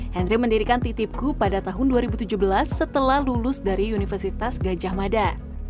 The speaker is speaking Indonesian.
henry mendirikan titipku pada tahun dua ribu tujuh belas setelah lulus dari universitas gajah mada